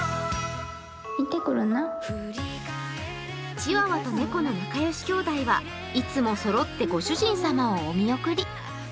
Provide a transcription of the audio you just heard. チワワと猫の仲良し兄弟は、いつもそろってご主人さまをお見送り。